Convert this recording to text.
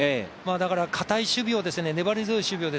だから、堅い守備を粘り強い守備を